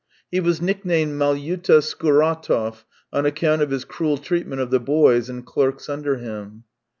He was nicknamed Malyuta Skuratov on account of his cruel treat ment of the boys and clerks under him.